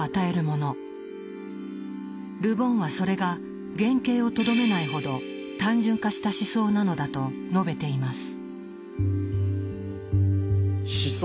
ル・ボンはそれが原形をとどめないほど単純化した思想なのだと述べています。